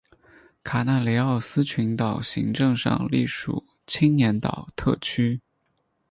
卡纳雷奥斯群岛行政上隶属青年岛特区。